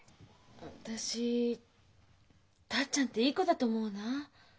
私達ちゃんっていい子だと思うな。